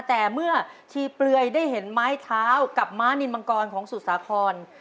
แต่เมื่อชีเปลือยได้เห็นไม้เท้ากับม้านินมังกรของสุสาคร